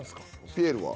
ピエールは？